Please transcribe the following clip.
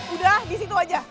udah disitu aja